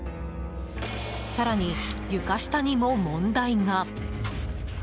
更に、床下にも問題が。